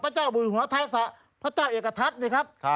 พระเจ้าอยู่หัวไทยสะพระเจ้าเอกทัศน์นะครับ